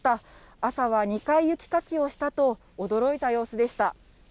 朝は２回雪かきをしたと、驚いた様子でした。